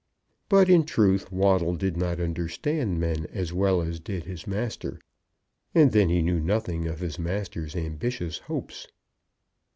But in truth Waddle did not understand men as well as did his master; and then he knew nothing of his master's ambitious hopes.